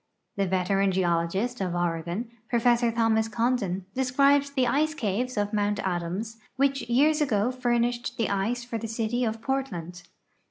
The veteran geologist of Oregon, Prof. Thomas Condon, describes the ice caves of Mount Adams, which years ago furnished the ice for the city of Portland.